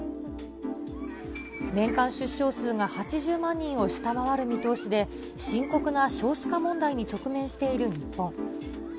年間出生数が８０万人を下回る見通しで、深刻な少子化問題に直面している日本。